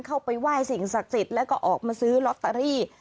เข้าไปไหว้สิ่งศักดิ์สิทธิ์แล้วก็ออกมาซื้อลอตเตอรี่